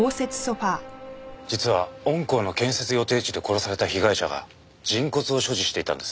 実は御校の建設予定地で殺された被害者が人骨を所持していたんです。